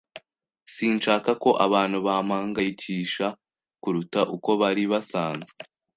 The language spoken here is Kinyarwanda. Sinshaka ko abantu bampangayikisha kuruta uko bari basanzwe.